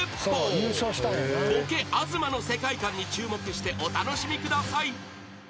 ［ボケ東の世界観に注目してお楽しみください］